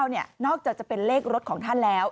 นอกจากจะเป็นเลขรถของท่านแล้ว